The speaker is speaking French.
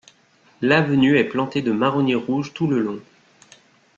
L'avenue est plantée de marronniers rouges tout le long.